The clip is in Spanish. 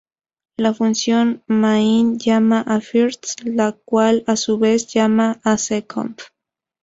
La función main llama a first, la cual a su vez llama a second.